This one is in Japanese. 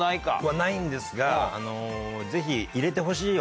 はないんですがぜひ。